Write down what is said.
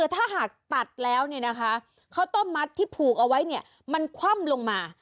ถ้าหากตัดแล้วเนี่ยนะคะเค้าต้มมัดที่ผูกเอาไว้เนี่ยมันคว่ำลงมา